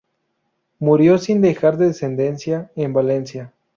Murió, sin dejar descendencia, en Valencia.